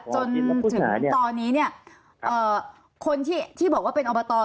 ตอนนี้เนี่ยคนที่บอกว่าเป็นอุปโตร